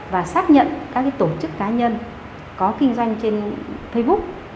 và xác nhận các tổ chức cá nhân có kinh doanh trên facebook